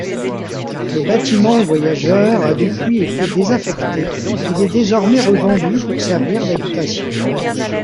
Le bâtiment voyageurs a depuis été désaffecté il est désormais revendu pour servir d'habitation.